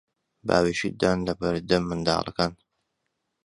باوێشکدان لە بەردەم منداڵەکان